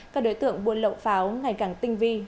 các đối tượng buôn lậu pháo ngày càng tinh vi